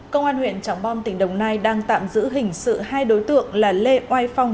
công an huyện trảng bom tỉnh đồng nai đang tạm giữ hình sự hai đối tượng là lê oai phong